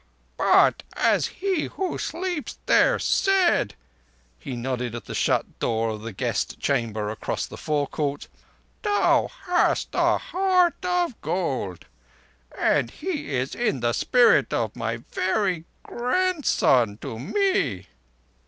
"But as he who sleeps there said,"—he nodded at the shut door of the guest chamber across the forecourt—"thou hast a heart of gold... And he is in the spirit my very 'grandson' to me."